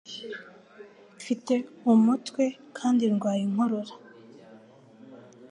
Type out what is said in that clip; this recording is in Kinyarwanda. Mfite umutwe kandi ndwaye inkorora.